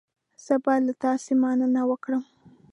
زه باید له تاسې مننه وکړم.